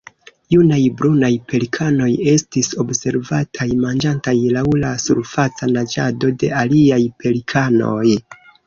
Junaj brunaj pelikanoj estis observataj manĝantaj laŭ la surfaca naĝado de aliaj pelikanoj.